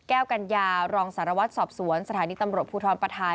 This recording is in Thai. กัญญารองสารวัตรสอบสวนสถานีตำรวจภูทรประทาย